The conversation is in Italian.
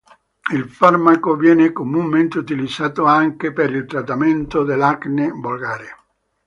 Il farmaco viene comunemente utilizzato anche per il trattamento dell'acne volgare.